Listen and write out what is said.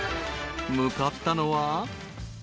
［向かったのは］